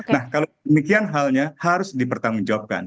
nah kalau demikian halnya harus dipertanggungjawabkan